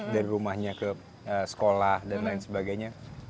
dari rumahnya ke sekolah dan lain sebagainya